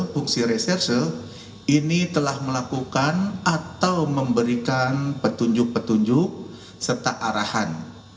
fungsi reserse ini telah melakukan atau memberikan petunjuk petunjuk serta arahan